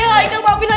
aika maafin pak d